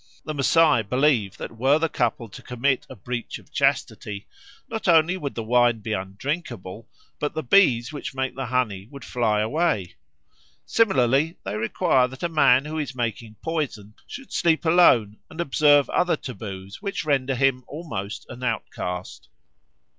The Masai believe that were the couple to commit a breach of chastity, not only would the wine be undrinkable but the bees which made the honey would fly away. Similarly they require that a man who is making poison should sleep alone and observe other taboos which render him almost an outcast.